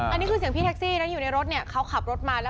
อันนี้คือเสียงพี่เทคซีแบบอยู่ในรถเนี้ยเขากลับรถมาแล้ว